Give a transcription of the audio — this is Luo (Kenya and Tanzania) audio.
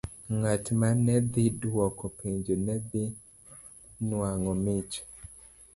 Ng'at ma ne dhi dwoko penjono ne dhi nwang'o mich.